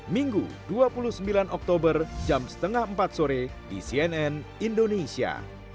minggu dua puluh sembilan oktober jam setengah empat sore di cnn indonesia